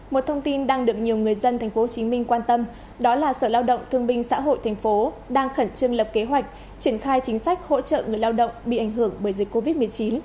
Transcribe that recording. một thông tin đang được nhiều người dân tp hcm quan tâm đó là sở lao động thương binh xã hội tp đang khẩn trương lập kế hoạch triển khai chính sách hỗ trợ người lao động bị ảnh hưởng bởi dịch covid một mươi chín